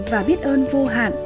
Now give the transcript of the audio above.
và biết ơn vô hạn